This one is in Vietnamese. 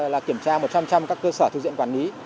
là kiểm tra một trăm linh các cơ sở thực diện quản lý